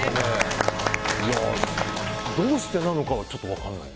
どうしてなのかちょっと分からない。